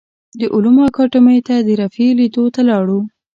د علومو اکاډیمۍ ته د رفیع لیدو ته لاړو.